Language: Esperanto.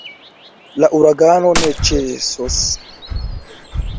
La uragano ne ĉesos.